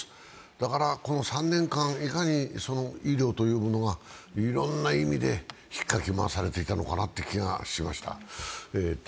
だからこの３年間、いかに医療というものがいろんな意味で引っかき回されていたのかなという気がしました。